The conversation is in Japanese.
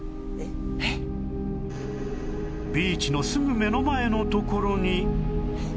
ビーチのすぐ目の前の所に